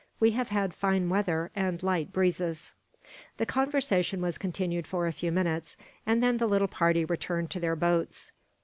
"We have had fine weather, and light breezes." The conversation was continued for a few minutes, and then the little party returned to their boats.